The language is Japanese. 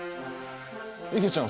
いげちゃん